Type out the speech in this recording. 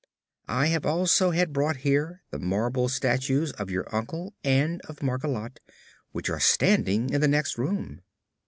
I have also had brought here the marble statues of your uncle and of Margolotte, which are standing in the next room."